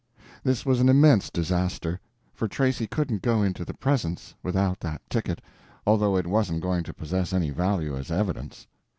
This was an immense disaster; for Tracy couldn't go into the presence without that ticket, although it wasn't going to possess any value as evidence.